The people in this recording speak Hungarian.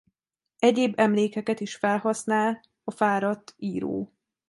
Egyéb emlékeket is felhasznál a fáradt író.